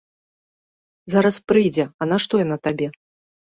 Зараз прыйдзе, а нашто яна табе?